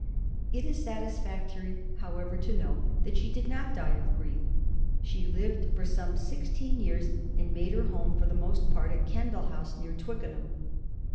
It is satisfactory, however, to know that she did not die of grief. She lived for some sixteen years, and made her home for the most part at Kendal House, near Twickenham.